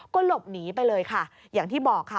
ก็หลบหนีไปเลยค่ะอย่างที่บอกค่ะ